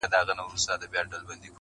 لونگينه څڼوره، مروره